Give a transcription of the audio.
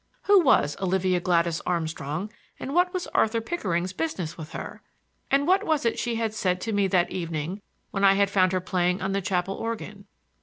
Who was Olivia Gladys Armstrong and what was Arthur Pickering's business with her? And what was it she had said to me that evening when I had found her playing on the chapel organ?